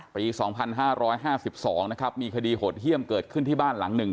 ปีสองพันห้าร้อยห้าสิบสองนะครับมีคดีโหดเฮี่ยมเกิดขึ้นที่บ้านหลังหนึ่ง